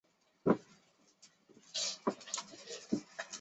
鲍威尔镇区为位在美国堪萨斯州科曼奇县的镇区。